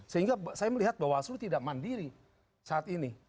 sehingga saya melihat bahwa asuransi tidak mandiri saat ini